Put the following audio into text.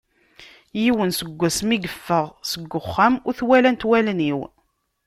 Yiwen, seg wass mi yeffeɣ seg uxxam ur t-walant wallen-iw.